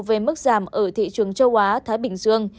về mức giảm ở thị trường châu á thái bình dương